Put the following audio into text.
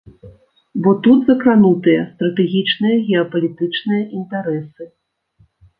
Бо тут закранутыя стратэгічныя геапалітычныя інтарэсы.